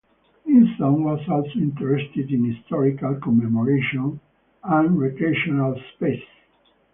Newsom was also interested in historical commemoration and recreational spaces.